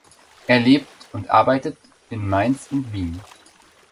Er lebt und arbeitet in Mainz und Wien.